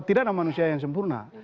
tidak ada manusia yang sempurna